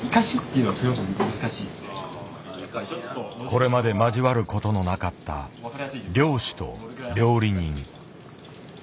これまで交わることのなかった漁師と料理人。